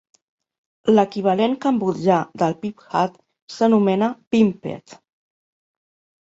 L'equivalent cambodjà del "piphat" s'anomena "pinpeat".